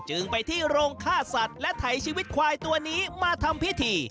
จึงไปที่โรงฆ่าสัตว์และไถชีวิตควายตัวนี้มาทำพิธี